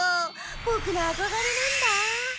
ボクのあこがれなんだ。